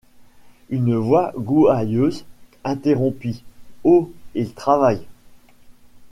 Une voix gouailleuse interrompit: — Oh! il travaille...